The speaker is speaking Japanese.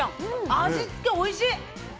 味つけ、おいしい。